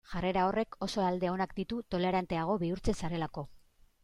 Jarrera horrek oso alde onak ditu toleranteago bihurtzen zarelako.